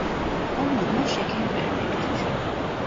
Om Nom'a şeker vermektir.